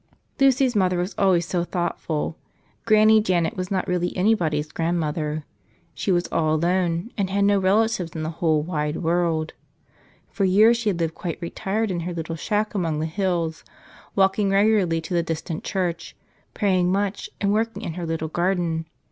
Lucy's mother was always so thoughtful. Granny 100 A Modern Tarsicius Janet was not really anybody's grandmother. She was all alone and had no relatives in the whole wide world. For years she had lived quite retired in her little shack among the hills, walking regularly to the distant church, praying much, and working in her little garden.